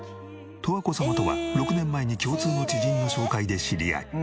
十和子様とは６年前に共通の知人の紹介で知り合い